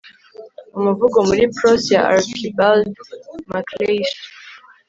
umuvugo muri prose ya archibald macleish